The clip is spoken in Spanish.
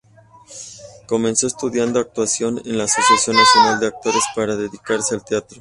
Comenzó estudiando actuación en la Asociación Nacional de Actores para dedicarse al teatro.